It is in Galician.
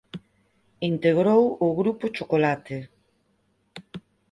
Integrou o grupo Chocolate.